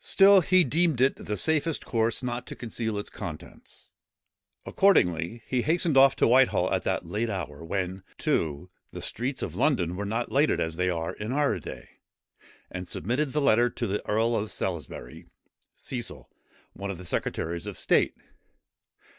Still he deemed it the safest course not to conceal its contents. Accordingly he hastened off to Whitehall at that late hour, when, too, the streets of London were not lighted as they are in our day, and submitted the letter to the earl of Salisbury, Cecil, one of the secretaries of state.